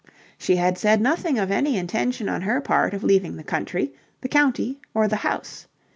She had said nothing of any intention on her part of leaving the country, the county, or the house.